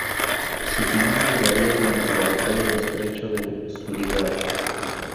Su final llegaría durante la Batalla del Estrecho de Surigao.